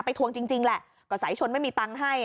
ทวงจริงแหละก็สายชนไม่มีตังค์ให้